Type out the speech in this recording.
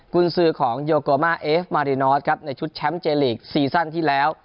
คุณซื้อของโยโกมาเอฟมารินอสครับในชุดแชมป์เจลีกซีซั่นที่แล้ว